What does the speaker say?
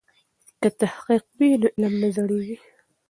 که تحقیق وي نو علم نه زړیږي.